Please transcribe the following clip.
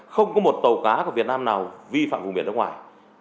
không có một tàu cá của việt nam nào vi phạm vùng biển nước ngoài